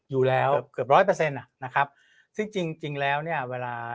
อยู่แล้วเกือบร้อยประเซนนะครับซึ่งจริงแล้วเนี่ยเวลา